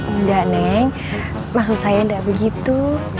udah neng maksud sayang gak begitu